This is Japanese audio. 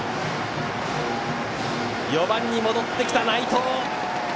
４番に戻ってきた内藤。